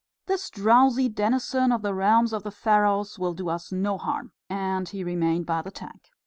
"This drowsy denison of the realms of the Pharaohs will do us no harm." And he remained by the tank.